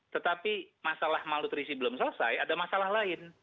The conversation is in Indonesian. tetapi masalah malnutrisi belum selesai ada masalah lain